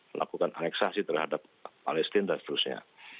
melakukan aneksasi terhadap palestina dan seterusnya